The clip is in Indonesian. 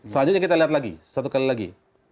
selanjutnya kita lihat lagi satu kali lagi